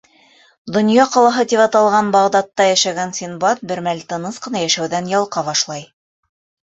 «Донъя ҡалаһы» тип аталған Бағдадта йәшәгән Синдбад бер мәл тыныс ҡына йәшәүҙән ялҡа башлай.